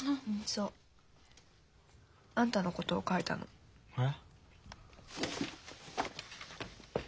そう。あんたのことを書いたの。え？